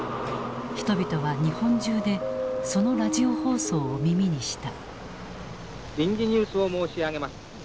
人々は日本中でそのラジオ放送を耳にした。